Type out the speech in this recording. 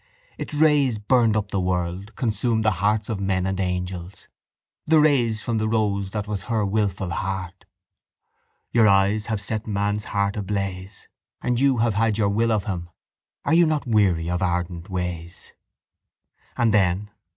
Its rays burned up the world, consumed the hearts of men and angels: the rays from the rose that was her wilful heart. Your eyes have set man's heart ablaze And you have had your will of him. Are you not weary of ardent ways? And then?